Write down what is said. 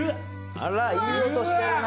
あらいい音してるな。